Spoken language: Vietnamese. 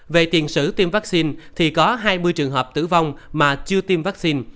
về tiền sử tiêm vaccine thì có hai mươi trường hợp tử vong mà chưa tiêm vaccine